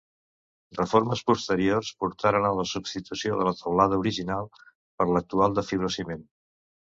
Reformes posteriors portaren a la substitució de la teulada original per l'actual de fibrociment.